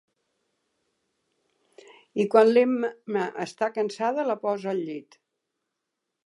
I quan l'Emma està cansada, la posa al llit.